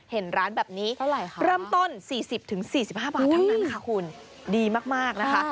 เห็นร้านแบบนี้เท่าไหร่เริ่มต้น๔๐๔๕บาทเท่านั้นค่ะคุณดีมากนะคะ